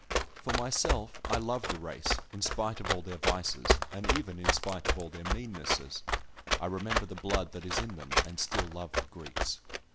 For myself, I love the race; in spite of all their vices, and even in spite of all their meannesses, I remember the blood that is in them, and still love the Greeks.